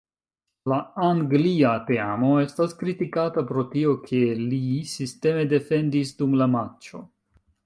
La Anglia teamo estas kritikata pro tio, ke li sisteme defendis dum la matĉo.